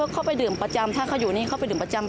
เขาไปดื่มประจำถ้าเขาอยู่นี่เขาไปดื่มประจำ